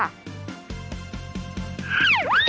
ติดต่อ